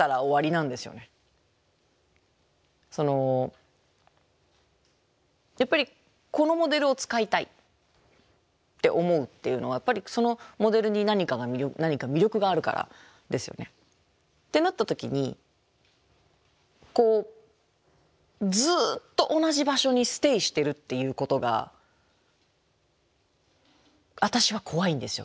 そのやっぱりこのモデルを使いたいって思うっていうのはそのモデルに何か魅力があるからですよね。ってなった時にずっと同じ場所にステイしてるっていうことが私は怖いんですよ